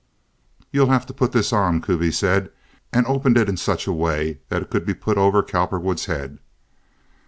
"You'll have to put this on," Kuby said, and opened it in such a way that it could be put over Cowperwood's head.